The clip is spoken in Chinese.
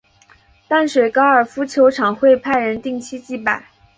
淡水高尔夫球场会派人定期祭拜。